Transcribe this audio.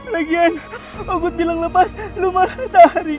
lagian agut bilang lepas lu malah tarik